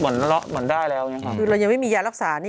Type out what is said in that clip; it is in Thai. ไม่น่าเหมือนอย่างยักษา